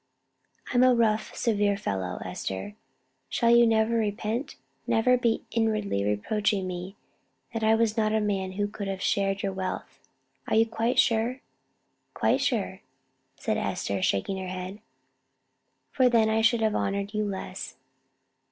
"I'm a rough, severe fellow, Esther. Shall you never repent? never be inwardly reproaching me that I was not a man who could have shared your wealth? Are you quite sure?" "Quite sure!" said Esther, shaking her head; "for then I should have honored you less.